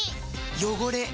汚れ。